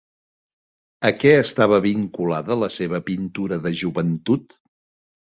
A què estava vinculada la seva pintura de joventut?